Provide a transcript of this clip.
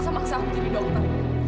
berhak untuk maksa maksa aku jadi dokter